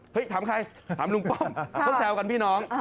ถามใครถามลุงป้อมเขาแซวกันพี่น้อง